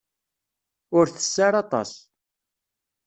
Ur tess ara aṭas.